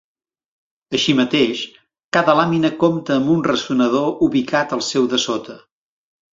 Així mateix, cada làmina compta amb un ressonador ubicat al seu dessota.